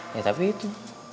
ya tapi itu